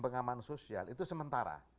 pengaman sosial itu sementara